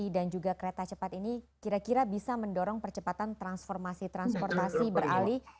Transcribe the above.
dan saya akan mendorong percepatan transformasi transportasi beralih